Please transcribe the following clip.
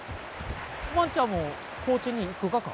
万ちゃんも高知に行くがか？